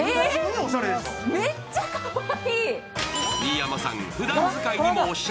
めっちゃ、かわいい。